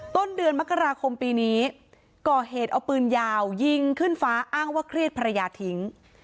ต้นเดือนมกราคมปีนี้ก่อเหตุเอาปืนยาวยิงขึ้นฟ้าอ้างว่าเครียดภรรยาทิ้ง